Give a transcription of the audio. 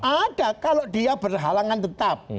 ada kalau dia berhalangan tetap